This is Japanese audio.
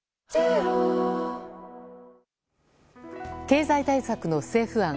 経済対策の政府案。